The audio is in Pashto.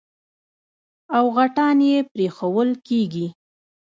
او غټان يې پرېښوول کېږي.